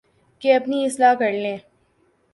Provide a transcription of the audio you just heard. کہ اپنی اصلاح کر لیں